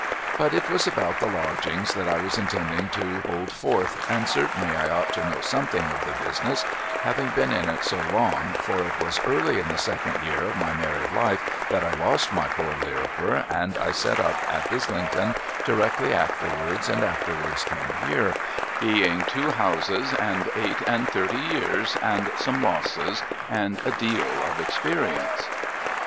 But it was about the Lodgings that I was intending to hold forth and certainly I ought to know something of the business having been in it so long, for it was early in the second year of my married life that I lost my poor Lirriper and I set up at Islington directly afterwards and afterwards came here, being two houses and eight and thirty years and some losses and a deal of experience.